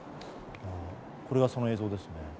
これがその映像ですね。